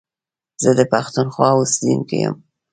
زه د پښتونخوا اوسېدونکی يم